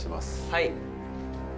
はい。